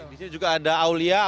di sini juga ada aulia